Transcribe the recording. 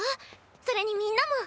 それにみんなも。